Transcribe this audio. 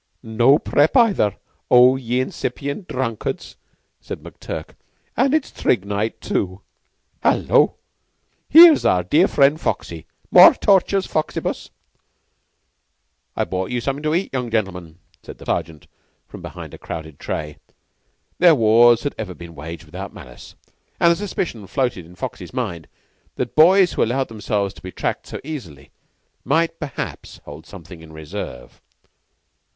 "No prep., either, O ye incipient drunkards," said McTurk, "and it's trig night, too. Hullo! Here's our dear friend Foxy. More tortures, Foxibus?" "I've brought you something to eat, young gentlemen," said the Sergeant from behind a crowded tray. Their wars had ever been waged without malice, and a suspicion floated in Foxy's mind that boys who allowed themselves to be tracked so easily might, perhaps, hold something in reserve.